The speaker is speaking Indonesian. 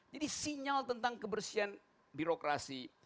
jadi sinyal tentang kebersihan birokrasi